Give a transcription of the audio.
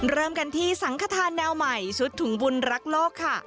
เริ่มกันที่สังขทานแนวใหม่ชุดถุงบุญรักโลกค่ะ